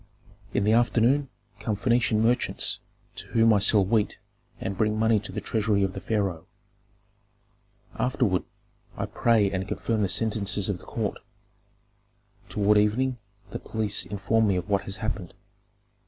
"In the afternoon come Phœnician merchants, to whom I sell wheat and bring money to the treasury of the pharaoh. Afterward I pray and confirm the sentences of the court; toward evening the police inform me of what has happened.